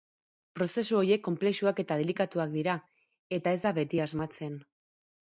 Prozesu horiek konplexuak eta delikatuak dira, eta ez da beti asmatzen.